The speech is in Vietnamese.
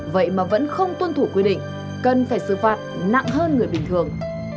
vậy mà vẫn không tuân thủ quy định cần phải xử phạt nặng hơn người bình thường